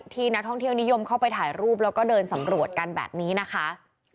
ที่นักท่องเที่ยวนิยมเข้าไปถ่ายรูปแล้วก็เดินสำรวจกันแบบนี้นะคะ